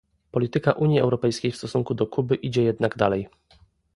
Polityka Unii Europejskiej w stosunku do Kuby idzie jednak dalej